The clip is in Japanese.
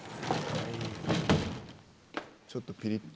ちょっとピリっと。